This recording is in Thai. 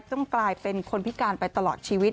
ต้องกลายเป็นคนพิการไปตลอดชีวิต